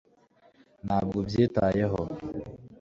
ntabwo ubyitayeho